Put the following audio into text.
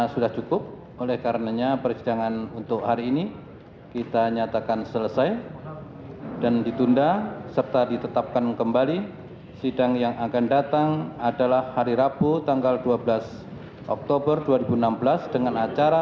sementara tidak ada yang mulia